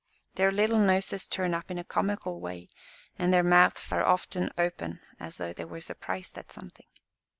Their little noses turn up in a comical way, and their mouths are often open as though they were surprised at something."